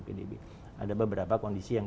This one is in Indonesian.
pdb ada beberapa kondisi yang